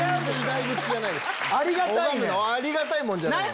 ありがたいもんじゃない。